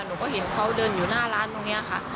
หนูก็เห็นเขาเดินอยู่หน้าร้านตรงนี้ค่ะ